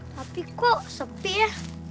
tapi kok sepi ya